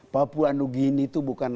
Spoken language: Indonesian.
papua new guine itu bukan